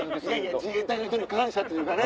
自衛隊の人に感謝というかね